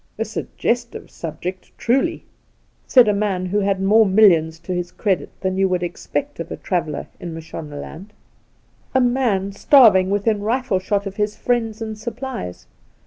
' A suggestive subject, truly,' said a man who had more millions to his credit than you would expect of a traveller in Mashonaland. ' A man starving within rifle shot of his friends and supplies.